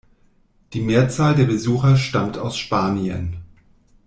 Die Mehrzahl der Besucher stammt aus Spanien.